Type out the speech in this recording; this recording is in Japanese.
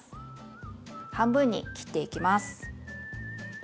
半分に切っていきます。